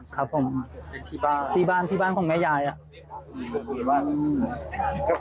บ้านใช่ไหมครับผมที่บ้านของแม่ยายครับผมเป็นที่บ้าน